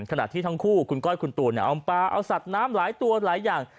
ขณะที่ทั้งคู่คุณก้อยคุณตูนเอาปลาเอาสัตว์น้ำหลายตัวหลายอย่าง